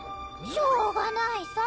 しょうがないさ。